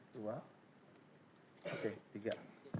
dua oke tiga